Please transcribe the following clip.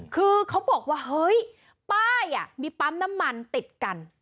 คือเขาบอกว่าเฮ้ยป้ายมีปั๊มน้ำมันติดกัน